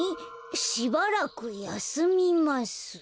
「しばらく休みます」。